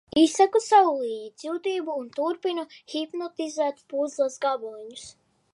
Izsaku sev līdzjūtību un turpinu hipnotizēt puzles gabaliņus.